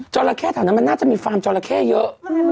จอราแค่เท่านั้นมันน่าจะมีฟาร์มจอราแค่เยอะ